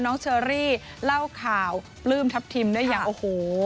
เชอรี่เล่าข่าวปลื้มทัพทิมได้อย่างโอ้โห